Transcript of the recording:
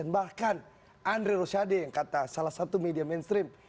bahkan andre rosiade yang kata salah satu media mainstream